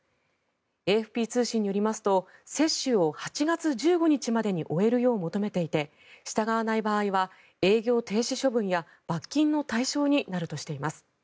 ＡＦＰ通信によりますと接種を８月１５日までに終えるよう求めていて従わない場合は営業停止処分や罰金の対象となるとしています。